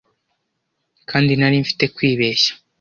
kandi nari mfite kwibeshya